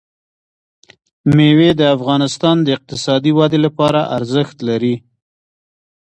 مېوې د افغانستان د اقتصادي ودې لپاره ارزښت لري.